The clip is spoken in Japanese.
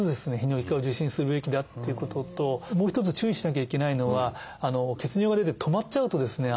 泌尿器科を受診するべきだっていうことともう一つ注意しなきゃいけないのは血尿が出て止まっちゃうとですね